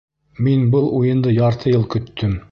Мин был уйынды ярты йыл көттөм.